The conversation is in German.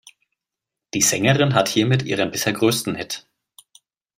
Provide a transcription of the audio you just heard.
Die Sängerin hat hiermit ihren bisher größten Hit.